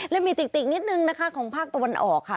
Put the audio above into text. และมีติกนิดนึงนะคะของภาคตะวันออกค่ะ